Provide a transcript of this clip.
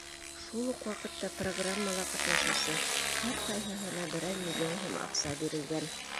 Шул уҡ ваҡытта программала ҡатнашыусы һәр ҡайһыһына берәр миллион һум аҡса бирелгән.